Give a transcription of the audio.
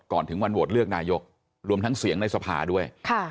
ถึงวันโหวตเลือกนายกรวมทั้งเสียงในสภาด้วย